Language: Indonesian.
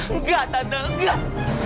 enggak tante enggak